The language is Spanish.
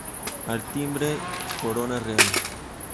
Al timbre, corona real.